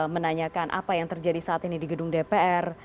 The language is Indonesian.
menanyakan apa yang terjadi saat ini di gedung dpr